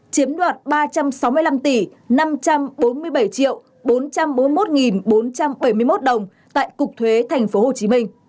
chiếm đoạt ba trăm sáu mươi năm tỷ năm trăm bốn mươi bảy triệu bốn trăm bốn mươi một nghìn bốn trăm bảy mươi một đồng tại cục thuế thành phố hồ chí minh